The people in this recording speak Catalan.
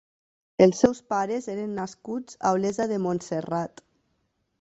Els seus pares eren nascuts a Olesa de Montserrat.